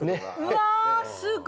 うわすご。